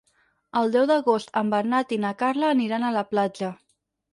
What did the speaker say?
El deu d'agost en Bernat i na Carla aniran a la platja.